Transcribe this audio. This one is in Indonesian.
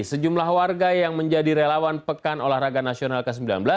sejumlah warga yang menjadi relawan pekan olahraga nasional ke sembilan belas